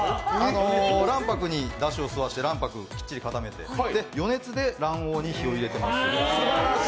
卵白にだしを吸わせて卵白しっかり固めて余熱で卵黄に火を入れています。